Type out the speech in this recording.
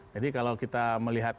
jadi kalau kita melihat